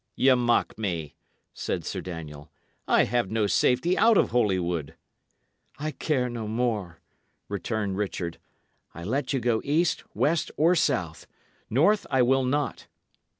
"Ye mock me," said Sir Daniel. "I have no safety out of Holywood." "I care no more," returned Richard. "I let you go east, west, or south; north I will not.